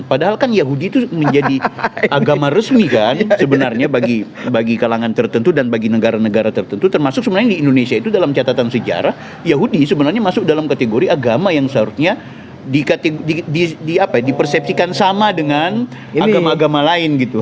padahal kan yahudi itu menjadi agama resmi kan sebenarnya bagi kalangan tertentu dan bagi negara negara tertentu termasuk sebenarnya di indonesia itu dalam catatan sejarah yahudi sebenarnya masuk dalam kategori agama yang seharusnya dipersepsikan sama dengan agama agama lain gitu